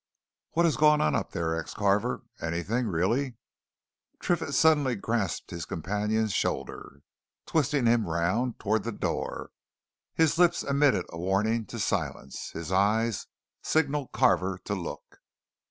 "What has gone on up there?" asked Carver. "Anything really " Triffitt suddenly grasped his companion's shoulder, twisting him round towards the door. His lips emitted a warning to silence; his eyes signalled Carver to look.